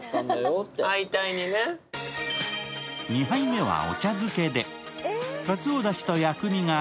２杯目はお茶漬けで。